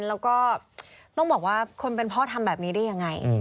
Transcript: แล้วก็ต้องบอกว่าคนเป็นพ่อทำแบบนี้ได้ยังไง